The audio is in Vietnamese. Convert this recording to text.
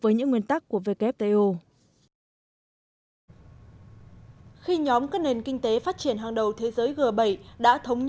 với những nguyên tắc của wto khi nhóm các nền kinh tế phát triển hàng đầu thế giới g bảy đã thống